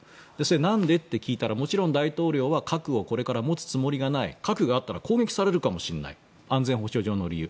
なんで？って聞いたらもちろん大統領は核をこれから持つつもりがない核があったら攻撃されるかもしれない安全保障上の理由。